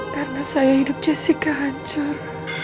karena saya hidup jessica hancur